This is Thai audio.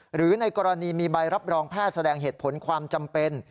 หรือในกรณีมีใบรับรองแพทย์แสดงเหตุผลความจำเป็น